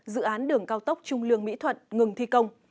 dự án đường cao tốc trung lương mỹ thuận ngừng thi công